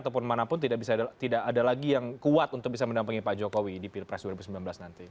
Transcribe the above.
ataupun manapun tidak ada lagi yang kuat untuk bisa mendampingi pak jokowi di pilpres dua ribu sembilan belas nanti